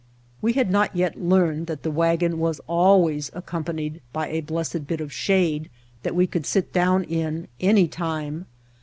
We had not yet learned that the wagon was always accompanied by a blessed bit of shade that we could sit down in any time.